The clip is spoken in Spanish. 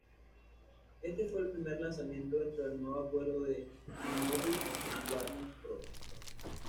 Este fue el primer lanzamiento dentro del nuevo acuerdo de Minogue con Warner Bros.